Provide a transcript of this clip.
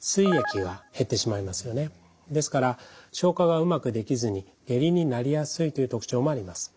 ですから消化がうまくできずに下痢になりやすいという特徴もあります。